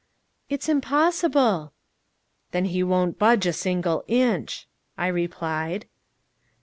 '" "It's impossible." "Then he won't budge a single inch!" I replied.